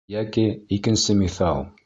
Йәки, икенсе миҫал.